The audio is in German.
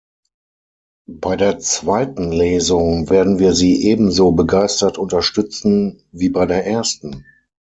Bei der zweiten Lesung werden wir sie ebenso begeistert unterstützen wie bei der ersten.